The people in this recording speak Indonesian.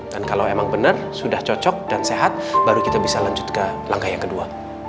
dan kalau emang benar sudah cocok dan sehat baru kita bisa lanjut ke langkah yang kedua